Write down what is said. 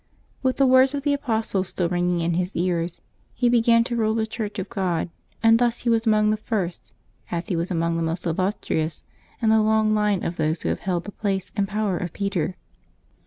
With the words of the apostles still ringing in his ears, he began to rule the Church of God ; and thus he was among the first, as he was among the m.ost illus trious, in the long line of those who have held the place and power of Peter.